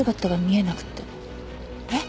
えっ？